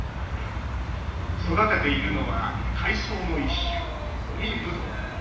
育てているのは海藻の一種、海ぶどう。